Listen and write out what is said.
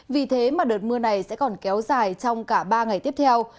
vì thế mà đợt mưa này sẽ còn kéo dài trong cả ba ngày tiếp theo